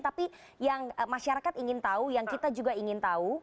tapi yang masyarakat ingin tahu yang kita juga ingin tahu